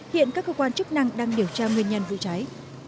hiện các cơ quan chức năng đang điều tra nguyên nhân vụ cháy